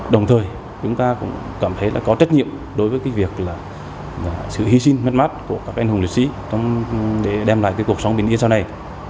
đồng thời chúng ta cũng cảm thấy có trách nhiệm đối với sự hy sinh mất mát của các anh hùng liệt sĩ để đem lại cuộc sống bình yên sau này